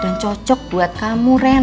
dan cocok buat kamu ren